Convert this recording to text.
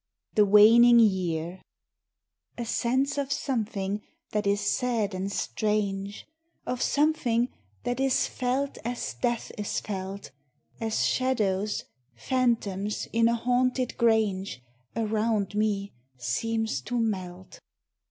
THE WANING YEAR A sense of something that is sad and strange; Of something that is felt as death is felt, As shadows, phantoms, in a haunted grange, Around me seems to melt.